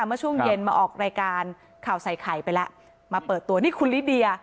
เมื่อช่วงเย็นมาออกรายการข่าวใส่ไข่ไปแล้วมาเปิดตัวนี่คุณลิเดีย